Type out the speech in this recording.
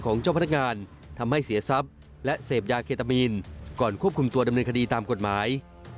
ของเจ้าพนักงานทำให้เสียทรัพย์